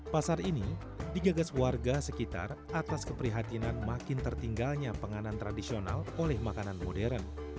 pasar ini digagas warga sekitar atas keprihatinan makin tertinggalnya penganan tradisional oleh makanan modern